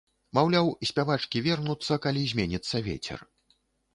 Маўляў, спявачкі вернуцца, калі зменіцца вецер.